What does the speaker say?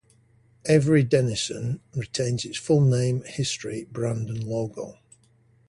Avery Dennison retains its full name, history, brand and logo.